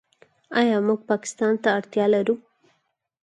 آیا موږ پاکستان ته اړتیا لرو؟